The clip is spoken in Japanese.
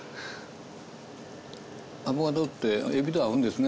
アボカドってエビと合うんですね。